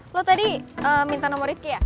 lo tadi minta nomor rizky ya